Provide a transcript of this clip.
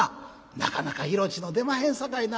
「なかなか色っつうの出まへんさかいな。